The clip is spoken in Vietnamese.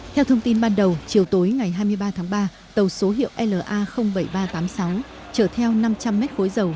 theo thông tin ban đầu chiều tối ngày hai mươi ba tháng ba tàu số hiệu la bảy nghìn ba trăm tám mươi sáu chở theo năm trăm linh m khối dầu